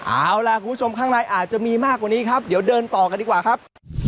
เอาล่ะคุณผู้ชมข้างในอาจจะมีมากกว่านี้ครับเดี๋ยวเดินต่อกันดีกว่าครับ